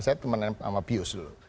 saya teman sama bius dulu